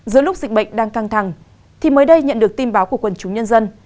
giữa lúc dịch bệnh đang căng thẳng thì mới đây nhận được tin báo của quần chúng nhân dân